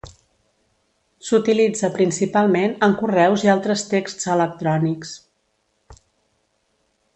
S'utilitza principalment en correus i altres texts electrònics.